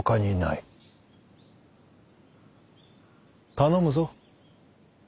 頼むぞ。